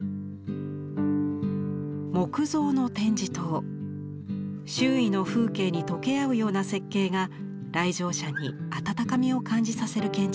木造の展示棟周囲の風景に溶け合うような設計が来場者に温かみを感じさせる建築です。